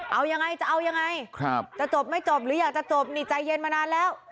เอายังไงจะเอายังไงจะจบไม่จบหรืออยากจะจบนี่ใจเย็นมานานแล้ว